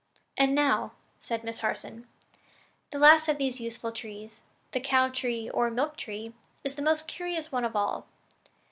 "And now," said Miss Harson, "the last of these useful trees the cow tree, or milk tree is the most curious one of all.